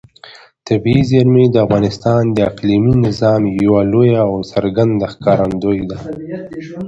طبیعي زیرمې د افغانستان د اقلیمي نظام یوه لویه او څرګنده ښکارندوی ده.